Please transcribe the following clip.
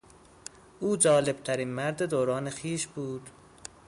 او جالبترین مرد دوران خویش بود.